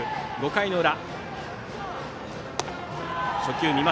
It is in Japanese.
５回の裏。